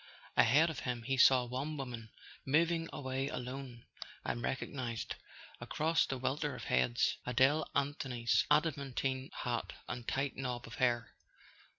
Ahead of him he saw one woman moving away alone, and recognized, across the welter of heads, Adele Anthony's adamantine hat and tight knob of hair.